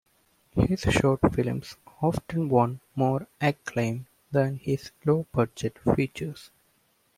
His short films often won more acclaim than his low-budget features.